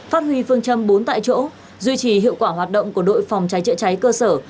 phát huy phương châm bốn tại chỗ duy trì hiệu quả hoạt động của đội phòng cháy chữa cháy cơ sở